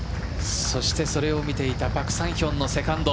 そしてそれを見ていたパク・サンヒョンのセカンド。